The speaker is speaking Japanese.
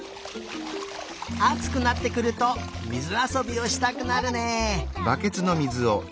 あつくなってくるとみずあそびをしたくなるね。